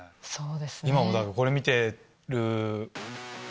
今これ見てる。